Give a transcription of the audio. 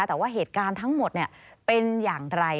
แต่ว่าเหตุการณ์ทั้งหมดเป็นอย่างไร